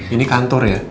ini kantor ya